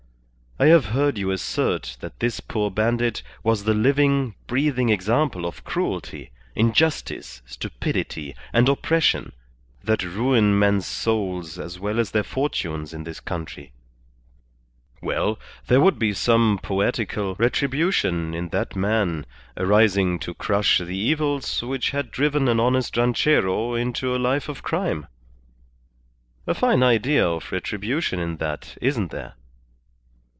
I have heard you assert that this poor bandit was the living, breathing example of cruelty, injustice, stupidity, and oppression, that ruin men's souls as well as their fortunes in this country. Well, there would be some poetical retribution in that man arising to crush the evils which had driven an honest ranchero into a life of crime. A fine idea of retribution in that, isn't there?"